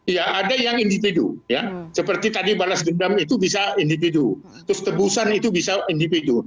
iya ada yang individu seperti balas dendam tadi itu bisa individu terus kebusan itu bisa individu